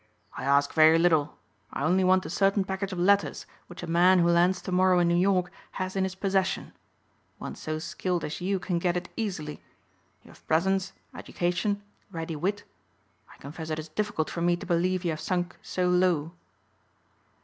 "I ask very little. I only want a certain package of letters which a man who lands to morrow in New York has in his possession. One so skilled as you can get it easily. You have presence, education, ready wit. I confess it is difficult for me to believe you have sunk so low."